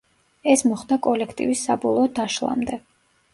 ეს მოხდა კოლექტივის საბოლოო დაშლამდე.